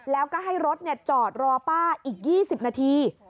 แล้วก็ให้รถจอดรอป้าอีก๒๐นาที